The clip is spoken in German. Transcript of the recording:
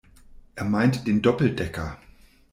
Er meint den Doppeldecker.